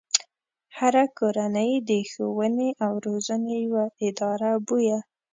هره کورنۍ د ښوونې او روزنې يوه اداره بويه.